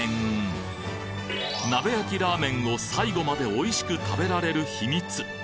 鍋焼きラーメンを最後までおいしく食べられる秘密